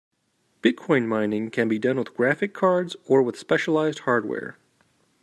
Bitcoin mining can be done with graphic cards or with specialized hardware.